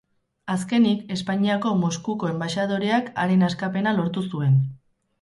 Azkenik, Espainiako Moskuko enbaxadoreak haren askapena lortu zuen.